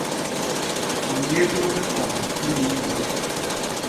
A ñébna me kaat inyuu woñi.